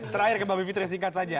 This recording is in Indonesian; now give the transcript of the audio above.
terakhir ke mbak bivitri singkat saja